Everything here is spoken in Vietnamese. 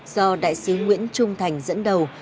do đại sứ nguyễn trung thành dẫn đầu